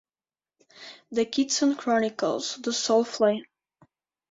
The Kitsune Chronicles: The Soul Flame.